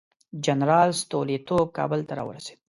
جنرال ستولیتوف کابل ته راورسېد.